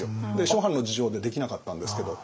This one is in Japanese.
諸般の事情でできなかったんですけど。